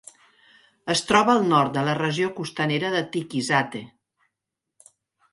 Es troba al nord de la regió costanera de Tiquisate.